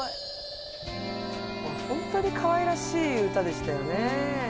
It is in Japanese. ほんとにかわいらしい歌でしたよねえ。